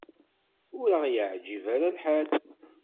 Ur aɣ-yeɛjib ara lḥal.